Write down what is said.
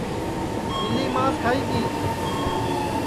ٻیلی ماس کھائی گی